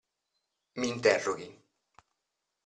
Mi interroghi!